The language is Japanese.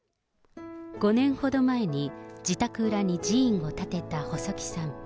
５年ほど前に自宅裏に寺院を建てた細木さん。